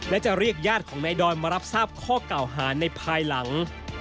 และจะเรียกญาติของนายดอนมารับทราบข้อเก่าหาในภายหลัง